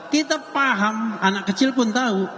kita paham anak kecil pun tahu